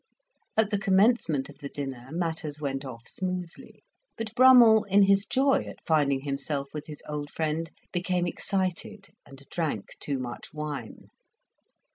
At the commencement of the dinner, matters went off smoothly; but Brummell, in his joy at finding himself with his old friend, became excited, and drank too much wine.